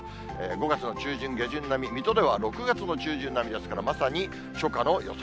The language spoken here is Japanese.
５月の中旬、下旬並み、水戸では６月の中旬並みですから、まさに初夏の予想